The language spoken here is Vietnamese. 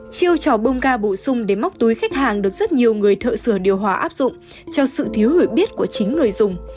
chiêu trò bông ga bổ sung để móc túi khách hàng được rất nhiều người thợ sửa điều hòa áp dụng cho sự thiếu hiểu biết của chính người dùng